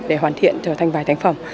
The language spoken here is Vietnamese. để hoàn thiện trở thành vải thành phẩm